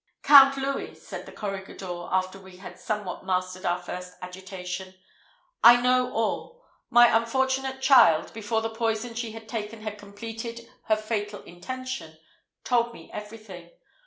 "Count Louis," said the corregidor, after we had somewhat mastered our first agitation, "I know all. My unfortunate child, before the poison she had taken had completed her fatal intention, told me everything.